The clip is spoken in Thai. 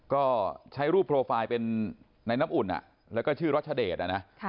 ก็ใช้รูปโปรไฟล์เป็นในน้ำอุ่นแล้วก็ชื่อรัชเดชนะ